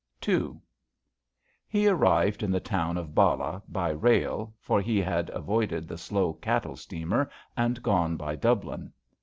II. E arrived in the town of Ballah by rail, for he had avoided the slow cattle steamer and gone by Dublin.